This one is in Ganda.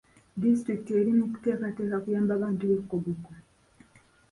Disitulikiti eri mu kuteekateeka kuyamba bantu b'e Koboko.